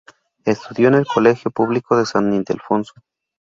Estudió en el Colegio Público de San Ildefonso.